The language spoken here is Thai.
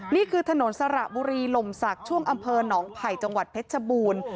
นี่คือถนนสระบุรีลมศักดิ์ช่วงอำเภอหนองไผ่จังหวัดเพชรชบูรณ์